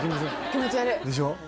気持ち悪いでしょ？